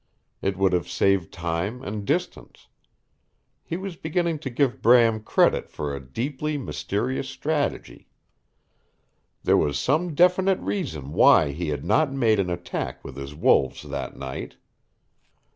It would have saved time and distance. He was beginning to give Bram credit for a deeply mysterious strategy. There was some definite reason why he had not made an attack with his wolves that night.